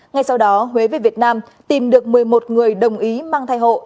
ngay sau đó huế về việt nam tìm được một mươi một người đồng ý mang thai hộ